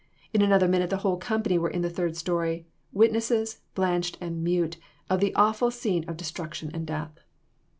In another minute the whole company were in the third story, witnesses, blanched and mute, of the awful scene of destruction and death.